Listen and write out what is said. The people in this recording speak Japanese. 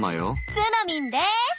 ツノミンです！